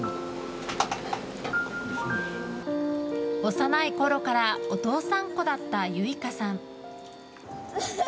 幼いころからお父さんっ子だった結奏さん。